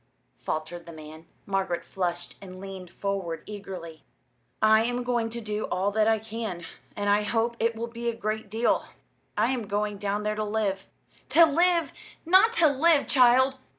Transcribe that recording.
faltered the man. Margaret flushed and leaned forward eagerly. "I am going to do all that I can, and I hope it will be a great deal. I am going down there to live." "To live not to live, child!"